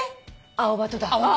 アオバトだ。